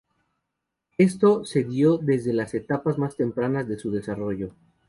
Esto se dio desde las etapas más tempranas de su desarrollo.